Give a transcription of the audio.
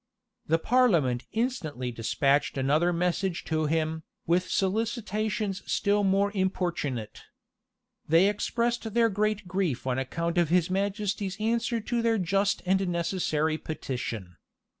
[] The parliament instantly despatched another message to him, with solicitations still more importunate. They expressed their great grief on account of his majesty's answer to their just and necessary petition.